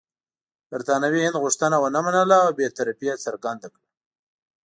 برټانوي هند غوښتنه ونه منله او بې طرفي یې څرګنده کړه.